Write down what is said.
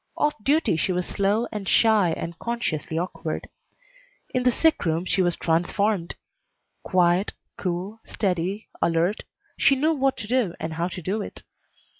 Off duty she was slow and shy and consciously awkward. In the sick room she was transformed. Quiet, cool, steady, alert, she knew what to do and how to do it.